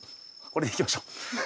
これでいきましょう。